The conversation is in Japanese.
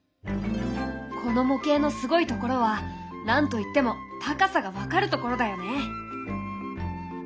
この模型のすごいところは何と言っても高さが分かるところだよね。